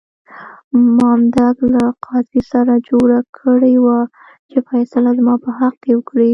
مامدک له قاضي سره جوړه کړې وه چې فیصله زما په حق کې وکړه.